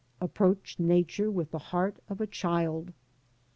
Approach Nature with the heart of a child.